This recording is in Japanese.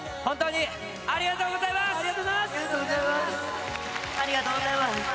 ありがとうございます。